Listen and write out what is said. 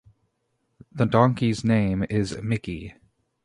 The donkey's name is Mickie.